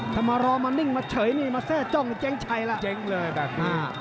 ทำร้องมานิ่งเชิยนี่มาแทร่จ้องเจ๊งชัยละ